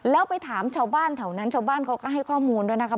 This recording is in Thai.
แล้วไปถามชาวบ้านแถวนั้นชาวบ้านเขาก็ให้ข้อมูลด้วยนะครับ